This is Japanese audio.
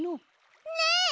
ねえ！